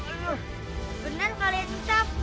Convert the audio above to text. beneran kalau yang susah